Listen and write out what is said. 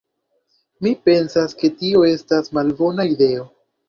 Mi pensas ke tio estas malbona ideo.